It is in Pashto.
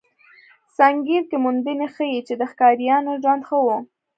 سنګیر کې موندنې ښيي، چې د ښکاریانو ژوند ښه و.